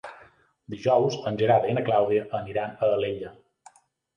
Dijous en Gerard i na Clàudia aniran a Alella.